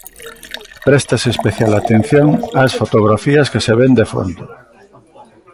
Préstase especial atención ás fotografías que se ven de fondo.